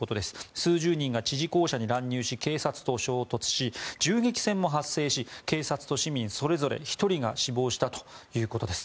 数十人が知事公舎に乱入し警察と衝突し銃撃戦も発生し警察と市民、それぞれ１人が死亡たということです。